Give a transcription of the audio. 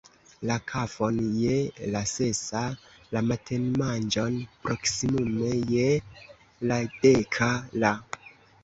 La kafon je la sesa, la matenmanĝon proksimume je la deka, la